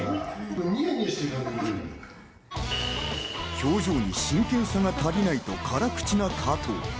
表情に真剣さが足りないと辛口な加藤。